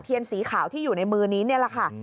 เทียนสีขาวที่อยู่ในมือนี้เนี่ยล่ะค่ะ